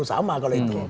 sama kalau itu